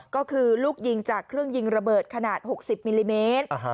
ก็คือลูกยิงจากเครื่องยิงระเบิดขนาด๖๐มิลลิเมตร